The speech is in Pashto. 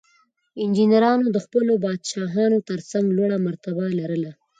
انجینرانو د خپلو پادشاهانو ترڅنګ لوړه مرتبه لرله.